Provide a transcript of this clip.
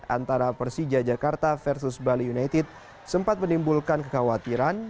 antara persija jakarta versus bali united sempat menimbulkan kekhawatiran